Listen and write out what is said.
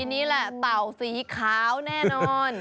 นี่แหละเต่าสีขาวแน่นอน